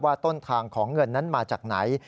ต้นทางของเงินนั้นมาจากไหน